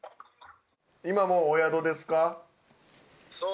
今もうお宿ですか？